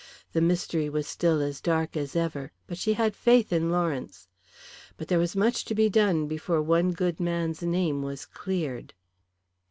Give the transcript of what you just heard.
The mystery was still as dark as ever, but she had faith in Lawrence. But there was much to be done before one good man's name was cleared.